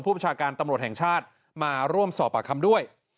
ประชาการตำรวจแห่งชาติมาร่วมสอบปากคำด้วย